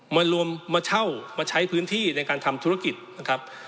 มารวมมาเช่ามาใช้พื้นที่ในการทำธุรกิจนะครับ